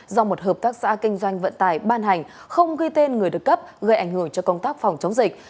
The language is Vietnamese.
do một hợp tác xã kinh doanh vận tải ban hành không ghi tên người được cấp gây ảnh hưởng cho công tác phòng chống dịch